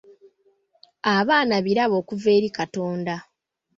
Abaana birabo okuva eri Katonda.